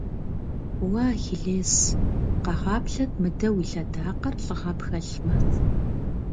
Уэ, Ахилес! Къэгъаплъэт мыдэ уи лъэдакъэр, лӏыгъэ пхэлъмэ!